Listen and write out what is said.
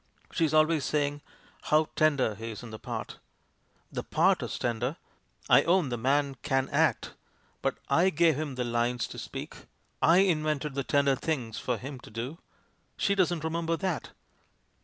She's always saying how 'tender he is in the part.' The part's tender! I own the man can act, but I gave him the lines m THE MAN WHO UNDERSTOOD WOMEN to speak! I invented the tender things for him to do. She doesn't remember that.